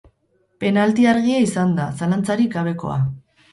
Penalti argia izan da, zalantzarik gabekoa.